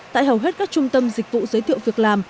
tại hầu hết các trung tâm dịch vụ giới thiệu việc làm